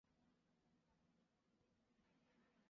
生母是岛津久丙之女阿幸。